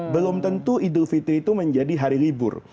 belum tentu idul fitri itu menjadi hari libur